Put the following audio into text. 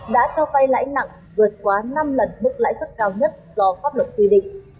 đã trao vay lãi nặng vượt quá năm lần mức lãi xuất cao nhất do pháp luật quy định